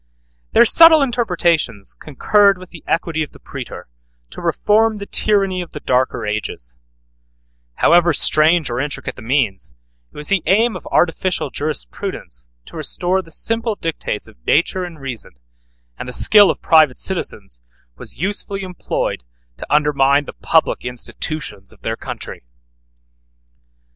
Their subtle interpretations concurred with the equity of the praetor, to reform the tyranny of the darker ages: however strange or intricate the means, it was the aim of artificial jurisprudence to restore the simple dictates of nature and reason, and the skill of private citizens was usefully employed to undermine the public institutions of their country.